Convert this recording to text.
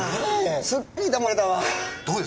すっかりだまされたわ。